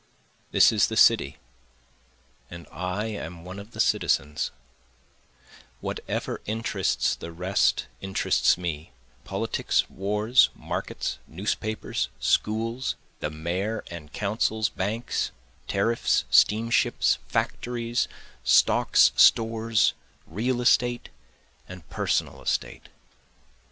This is the city and I am one of the citizens, Whatever interests the rest interests me, politics, wars, markets, newspapers, schools, The mayor and councils, banks, tariffs, steamships, factories, stocks, stores, real estate and personal estate.